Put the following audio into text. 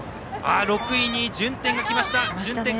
６位に順天が来ました。